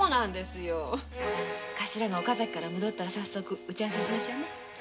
頭が岡崎から戻ったら打ち合わせしましょうね。